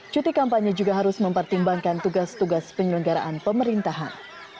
cuti kampanye juga harus mempertimbangkan tugas tugas penyelenggaraan pemerintahan